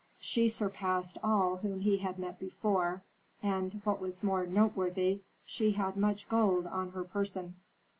She surpassed all whom he had met before, and, what was more noteworthy, she had much gold on her person.